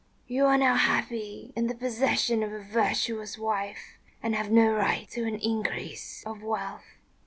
You are now happy in the possession of a virtuous wife, and have no right to an increase of wealth."